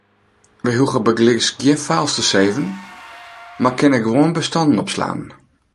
We hoege bygelyks gjin files te saven, mar kinne gewoan bestannen opslaan.